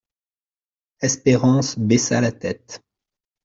Espérance baissa la tête.